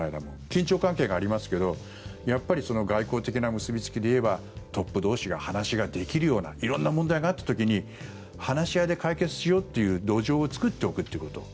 緊張関係がありますけどやっぱり外交的な結びつきでいえばトップ同士が話ができるような色んな問題があった時に話し合いで解決しようっていう土壌を作っておくということ。